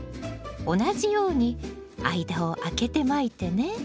同じように間を空けてまいてね。